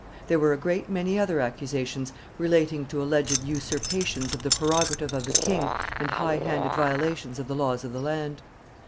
There were a great many other accusations, relating to alleged usurpations of the prerogative of the king and high handed violations of the laws of the land.